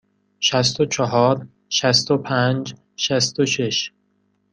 شصت و چهار، شصت و پنج، شصت و شش.